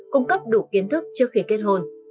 cung cấp đủ kiến thức trước khi kết hôn